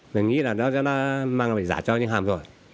mình nghĩ là nó sẽ mang về giả cho nhân hàng rồi